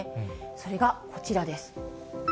それがこちらです。